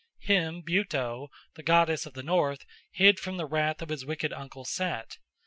Him Buto, the goddess of the north, hid from the wrath of his wicked uncle Set.